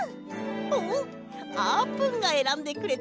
あっあーぷんがえらんでくれたんだ。